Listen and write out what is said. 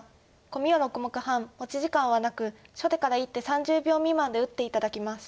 コミは６目半持ち時間はなく初手から１手３０秒未満で打って頂きます。